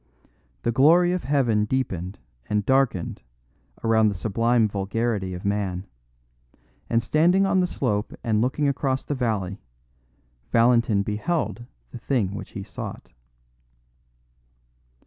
The glory of heaven deepened and darkened around the sublime vulgarity of man; and standing on the slope and looking across the valley, Valentin beheld the thing which he sought.